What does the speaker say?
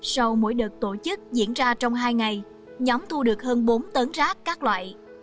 sau mỗi đợt tổ chức diễn ra trong hai ngày nhóm thu được hơn bốn tấn rác các loại